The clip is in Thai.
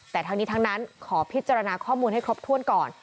แต่ทั้งนี้ทั้งนั้นขอพิจารณาข้อมูลให้ครบถ้วนก่อน